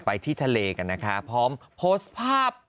ที่ทะเลกันนะคะพร้อมโพสต์ภาพ